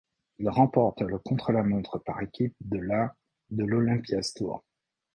Il remporte le contre-la-montre par équipes de la de l'Olympia's Tour.